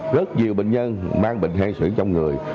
rất nhiều bệnh nhân mang bệnh hen xưởng trong người